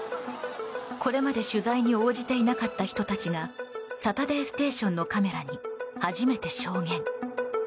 これまで取材に応じていなかった人たちが「サタデーステーション」のカメラに初めて証言。